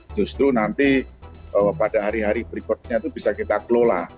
justru nanti pada hari hari berikutnya itu bisa kita kelola